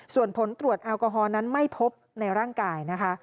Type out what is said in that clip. ส่วนผลตรวจแอลกอฮอลนั้นไม่พบในร่างกายนะคะ